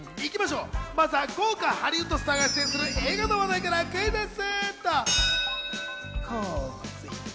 まずは豪華ハリウッドスターが出演する映画の話題から、クイズッス！